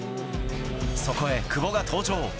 そこへ久保が登場。